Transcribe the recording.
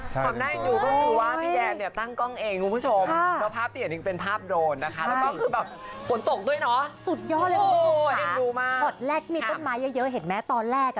ช่วงดีที่สุดในชีวิตเลยนะครับ